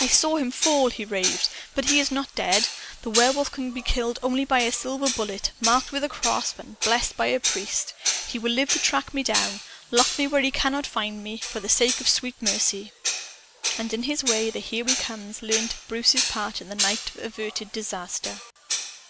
"I saw him fall!" he raved. "But he is not dead. The Werewolf can be killed only by a silver bullet, marked with a cross and blessed by a priest. He will live to track me down! Lock me where he cannot find me, for the sake of sweet mercy!" And in this way, the "Here We Comes" learned of Bruce's part in the night's averted disaster.